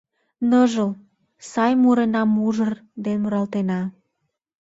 Ныжыл, сай мурынам Мужыр ден муралтена.